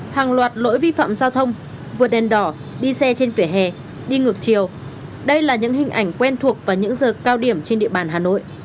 hàng loạt lỗi vi phạm giao thông vượt đèn đỏ đi xe trên vỉa hè đi ngược chiều đây là những hình ảnh quen thuộc vào những giờ cao điểm trên địa bàn hà nội